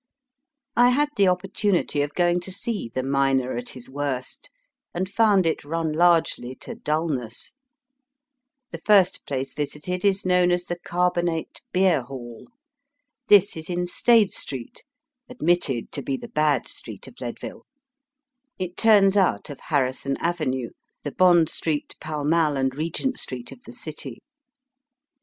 I had the opportunity of going to see the miner at his worst, and found it run largely to dulness. The first place visited is known as the Carbonate Beer Hall. This is in Stade Street, admitted to be the bad street of Lead Digitized by Google A MINING CAMP IN THE ROGKY MOUNTAINS. 85 ville. It turns out of Harrison Avenue, the Bond Street, Pall Mall, and Eegent Street of the city.